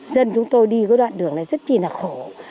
dân chúng tôi đi cái đoạn đường này rất là khổ